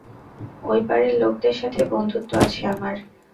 ঐপারের লোকদের সাথে বন্ধুত্ব আছে আমার।